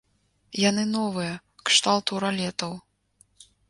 Яны новыя, кшталту ралетаў.